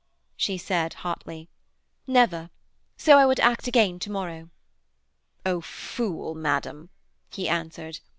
She said hotly: 'Never. So I would act again to morrow.' 'Oh fool madam,' he answered.